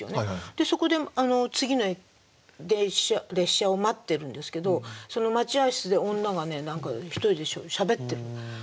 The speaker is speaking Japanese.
そこで次の列車を待ってるんですけどその待合室で女がね何か一人でしゃべってる。